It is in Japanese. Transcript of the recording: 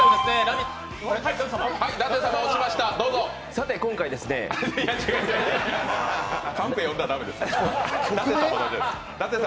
さて、今回ですね違います、カンペ読んだら駄目です。